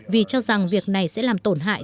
vì cho rằng việc này sẽ làm tổn hại